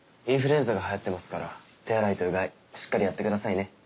インフルエンザがはやってますから手洗いとうがいしっかりやってくださいね。